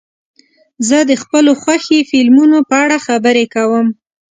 زه د خپلو خوښې فلمونو په اړه خبرې کوم.